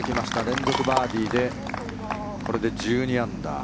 連続バーディーでこれで１２アンダー。